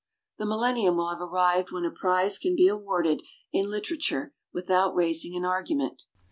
The millennium will have arrived when a prize can be awarded in litera ture without raising an argument.